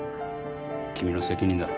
君の責任だ。